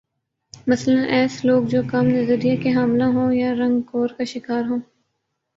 مثلا ایس لوگ جو کم نظریہ کے حاملہ ہوں یا رنگ کور کا شکار ہوں